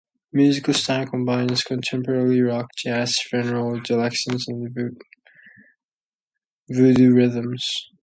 Musical style combines contemporary rock, jazz funerals, Dixieland and voodoo rhythms.